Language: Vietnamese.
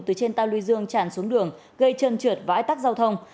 từ trên tàu lưu dương tràn xuống đường gây chân trượt và ách tắc giao thông